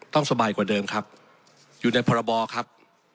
สบายกว่าเดิมครับอยู่ในพรบครับ